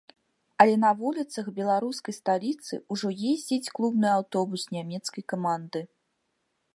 Але на вуліцах беларускай сталіцы ўжо ездзіць клубны аўтобус нямецкай каманды.